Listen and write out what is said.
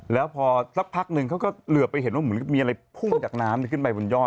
แล้วพอสักพักนึงเขาก็เหลือไปเห็นว่าเหมือนมีอะไรพุ่งจากน้ำขึ้นไปบนยอด